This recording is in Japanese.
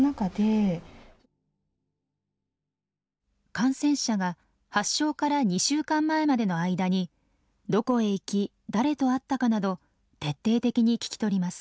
感染者が発症から２週間前までの間にどこへ行き誰と会ったかなど徹底的に聞き取ります。